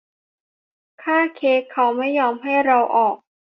ค่าเค้กเขาไม่ยอมให้เราออก